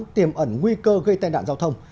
tiềm ẩn nguy cơ gây tai nạn giao thông